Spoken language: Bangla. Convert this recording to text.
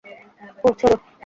উহ, ছাড়ো।